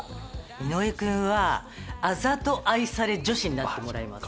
井上君はあざと愛され女子になってもらいます。